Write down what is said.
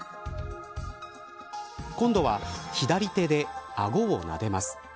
今度は、左手であごをなでます。